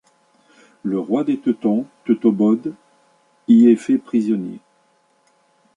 Le roi des Teutons Teutobod y est fait prisonnier.